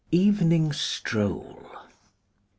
Evening Stroll.